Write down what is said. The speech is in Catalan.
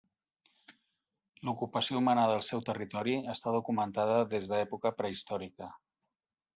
L'ocupació humana del seu territori està documentada des d'època prehistòrica.